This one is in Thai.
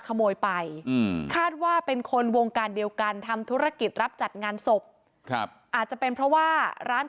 ขโมยไปคาดว่าเป็นคนวงการเดียวกันทำธุรกิจรับจัดงานศพครับอาจจะเป็นเพราะว่าร้าน